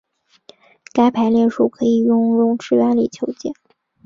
该排列数可以用容斥原理求解。